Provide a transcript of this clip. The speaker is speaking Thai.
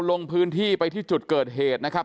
ลงพื้นที่ไปที่จุดเกิดเหตุนะครับ